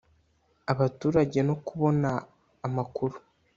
abaturage no kubona amakuru